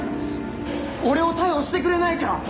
俺を逮捕してくれないか！？